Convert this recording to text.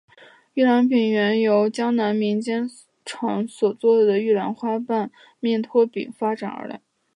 玉兰饼原由江南民间家常所做的玉兰花瓣面拖饼发展而来。